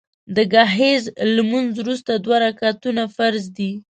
د ګهیځ لمونځ وروستي دوه رکعتونه فرض دي